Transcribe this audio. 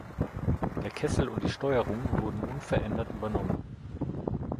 Der Kessel und die Steuerung wurden unverändert übernommen.